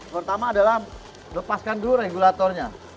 pertama adalah lepaskan dulu regulatornya